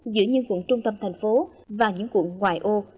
giữa những quận trung tâm thành phố và những quận ngoài ô